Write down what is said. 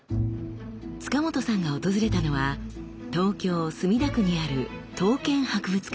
塚本さんが訪れたのは東京・墨田区にある刀剣博物館。